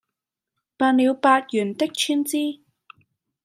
辦了八元的川資，